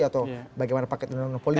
atau bagaimana paket undang undang politik